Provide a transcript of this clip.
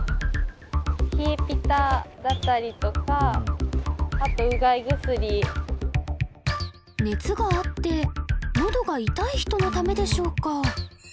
冷えピタだったりとかあとうがい薬熱があってのどが痛い人のためでしょうか？